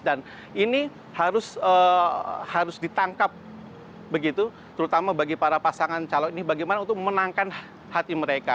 dan ini harus ditangkap terutama bagi para pasangan calon ini bagaimana untuk memenangkan hati mereka